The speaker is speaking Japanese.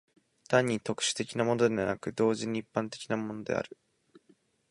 単に特殊的なものでなく、同時に一般的なものである。